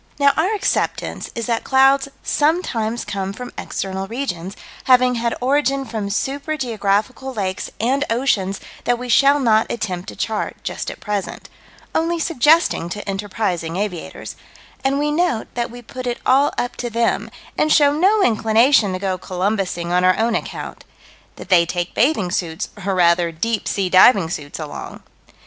Now our acceptance is that clouds sometimes come from external regions, having had origin from super geographical lakes and oceans that we shall not attempt to chart, just at present only suggesting to enterprising aviators and we note that we put it all up to them, and show no inclination to go Columbusing on our own account that they take bathing suits, or, rather, deep sea diving suits along.